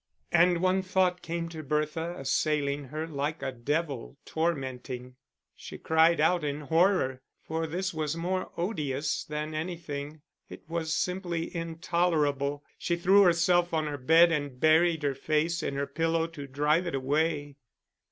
And one thought came to Bertha, assailing her like a devil tormenting. She cried out in horror, for this was more odious than anything; it was simply intolerable. She threw herself on her bed and buried her face in her pillow to drive it away.